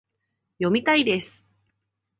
読みたいです